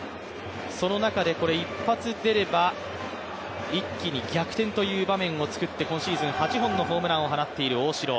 その中で、一発出れば一気に逆転という場面をつくって今シーズン８本のホームランを放っている大城。